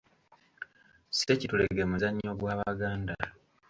Ssekitulege muzannyo gw’Abaganda.